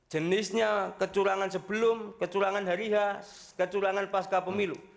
jenisnya kecurangan sebelum kecurangan hari has kecurangan pasca pemilu